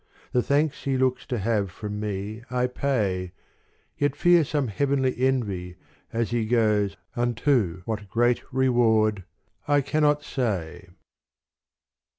The thanks he looks to have from me I pay, Yet fear some heavenly envy as he goes Unto what great reward I cannot say.